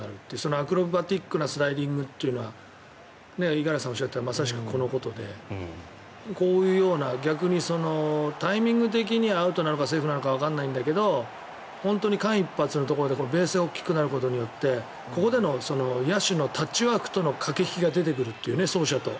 アクロバティックなスライディングというのは五十嵐さんがおっしゃったまさしくこのことでこういうような逆にタイミング的にはアウトなのかセーフなのかわからないんだけど本当に間一髪のところでベースが大きくなることでここでの野手のタッチワークとの駆け引きが出てくるという、走者と。